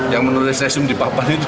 yang menulis sesum di papan itu